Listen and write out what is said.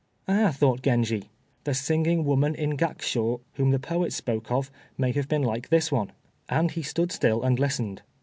"Ah!" thought Genji, "the singing woman in Gakshoo, whom the poet spoke of, may have been like this one," and he stood still and listened.